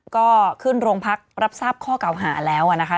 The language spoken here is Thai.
ก็ขึ้นโรงพักรับทราบข้อเก่าหาแล้วนะคะ